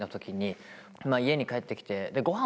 家に帰って来て。